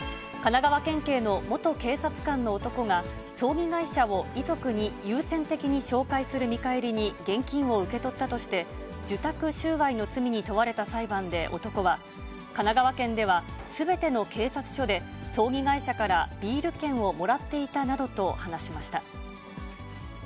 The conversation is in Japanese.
神奈川県警の元警察官の男が、葬儀会社を遺族に優先的に紹介する見返りに現金を受け取ったとして、受託収賄の罪に問われた裁判で、男は、神奈川県では、すべての警察署で葬儀会社からビール券をもらっていたなどと話しました。